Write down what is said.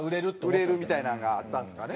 売れるみたいなんがあったんですかね。